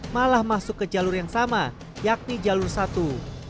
malah masuk ke jalur yang sama yakni jalur satu